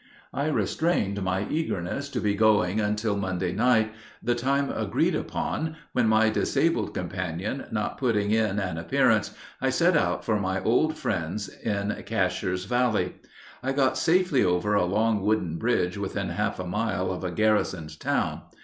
] I restrained my eagerness to be going until Monday night, the time agreed upon, when, my disabled companion not putting in an appearance, I set out for my old friend's in Casher's Valley. I got safety over a long wooden bridge within half a mile of a garrisoned town.